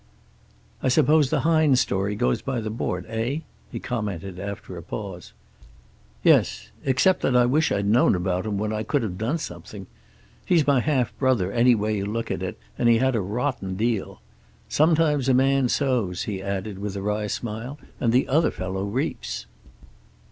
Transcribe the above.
"I suppose the Hines story goes by the board, eh?" he commented after a pause. "Yes. Except that I wish I'd known about him when I could have done something. He's my half brother, any way you look at it, and he had a rotten deal. Sometimes a man sows," he added, with a wry smile, "and the other fellow reaps."